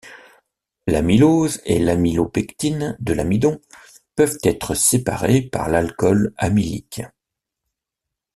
L'amylose et l'amylopectine de l'amidon peuvent être séparées par l'alcool amylique.